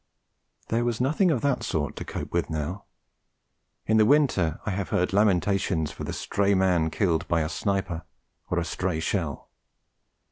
There was nothing of that sort to cope with now. In the winter I have heard lamentations for the stray man killed by a sniper or a stray shell.